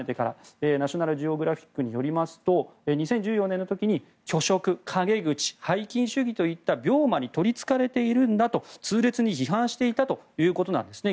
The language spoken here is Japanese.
ナショナルジオグラフィックによりますと、２０１４年の時に虚飾、陰口、拝金主義といった病魔に取りつかれていると痛烈に批判していたんですね。